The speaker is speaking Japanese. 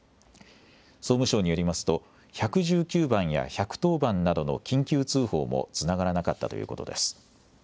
総務省によりますと、１１９番や１１０番などの緊急通報もつながらなかったということです。